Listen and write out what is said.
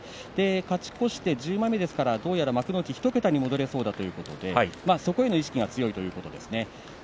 勝ち越して１０枚目ですからどうやら幕内１桁に戻れそうということでそこへの意識が強いようです。